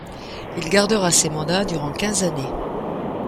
Il gardera ces mandats durant quinze années.